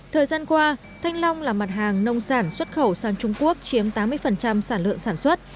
thời gian qua thanh long là mặt hàng nông sản xuất khẩu sang trung quốc chiếm tám mươi sản lượng sản xuất